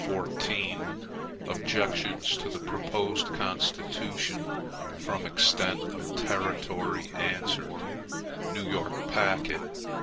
14 Objections to the Proposed Constitution From Extent of Territory Answered From the New York Packet.